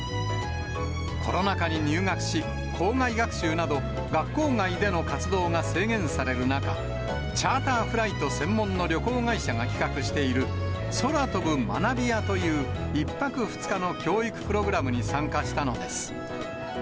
コロナ禍に入学し、校外学習など、学校外での活動が制限される中、チャーターフライト専門の旅行会社が企画している空飛ぶ学び舎という１泊２日の教育プログラムに参加したのです。